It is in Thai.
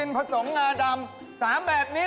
นั่นน่ะสิ